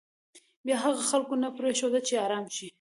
بیا هم خلکو نه پرېښوده چې ارام شي.